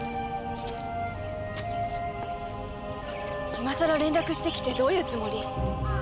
今さら連絡してきてどういうつもり？